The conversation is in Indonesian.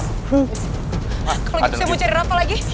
kalau gitu saya mau cari apa lagi